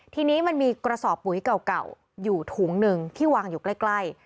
ทีนี้มันมีกระสอบปุ๋ยเก่าอยู่ถุงหนึ่งที่วางอยู่ใกล้